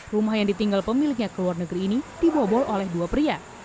rumah yang ditinggal pemiliknya ke luar negeri ini dibobol oleh dua pria